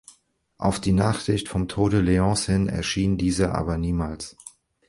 Auf die Nachricht vom Tode Leons hin erschien dieser aber niemals.